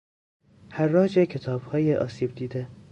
حراج کتابهای آسیب دیده